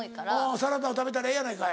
サラダを食べたらええやないかい。